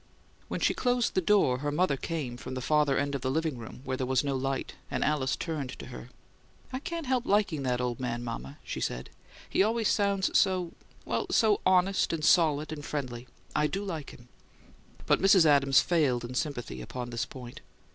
When she closed the door her mother came from the farther end of the "living room," where there was no light; and Alice turned to her. "I can't help liking that old man, mama," she said. "He always sounds so well, so solid and honest and friendly! I do like him." But Mrs. Adams failed in sympathy upon this point.